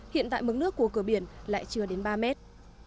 nếu tàu vào được thì cốt luồng phải sâu năm phút